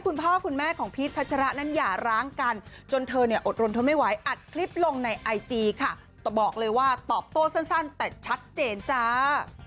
กันจนเธอเนี่ยอดรนทนไม่ไหวอัดคลิปลงในไอจีค่ะบอกเลยว่าตอบโต้สั้นแต่ชัดเจนจ้า